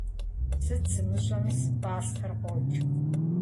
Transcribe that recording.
Сыт сымыщӏэми, си пӏастэр къокӏ!